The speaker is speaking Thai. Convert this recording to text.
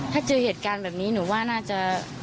ถ้าเจอเหตุการณ์แบบนี้หนูว่าน่าจะ